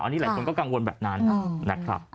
อันนี้หลายคนก็กังวลแบบนั้นนะครับ